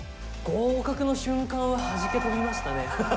合格の瞬間ははじけ飛びましたね。